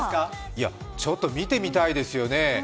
ちょっと見てみたいですよね。